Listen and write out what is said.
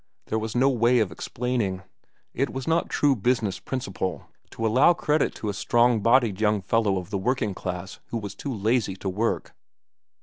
There was no way of explaining. It was not true business principle to allow credit to a strong bodied young fellow of the working class who was too lazy to work.